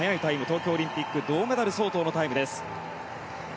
東京オリンピック銅メダル相当のタイムです。